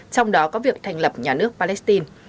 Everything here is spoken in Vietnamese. trong đó có việc thành lập nhà nước palestine